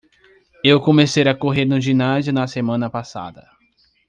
Eu comecei a correr no ginásio na semana passada.